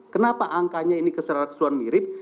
kenapa angkanya ini keseluruhan mirip